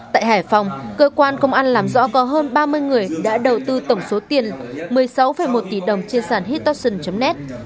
tại hải phòng cơ quan công an làm rõ có hơn ba mươi người đã đầu tư tổng số tiền một mươi sáu một tỷ đồng trên sản hittossion net